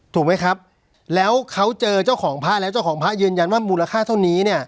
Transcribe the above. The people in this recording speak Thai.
ถูกไหมครับแล้วเขาเจอเจ้าของพระแล้วเจ้าของพระยืนยันว่ามูลค่าเท่านี้เนี่ย